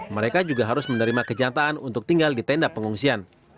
mereka juga harus menerima kejantaan untuk tinggal di tenda pengungsian